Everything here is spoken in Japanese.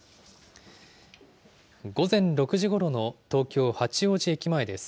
午前６時ごろの東京・八王子駅前です。